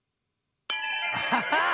アハハッ！